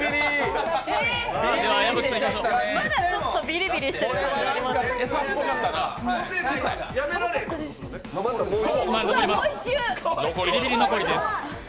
まだちょっとビリビリしてるビリビリ残りです。